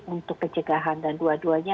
untuk pencegahan dan dua duanya